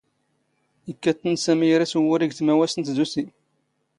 ⵉⴽⴽⴰ ⵜⵜ ⵏⵏ ⵙⴰⵎⵉ ⴰⵔ ⵉⵙⵡⵓⵔⵉ ⴳ ⵜⵎⴰⵡⴰⵙⵜ ⵏ ⵜⴷⵓⵙⵉ.